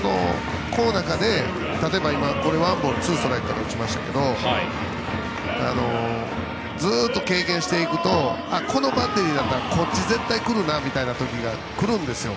ワンボール、ツーストライクから打ちましたがずっと経験していくとこのバッテリーだったらこっちに絶対来るなって時が来るんですよ。